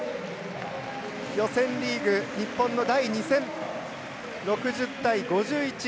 予選リーグ、日本の第２戦６０対５１。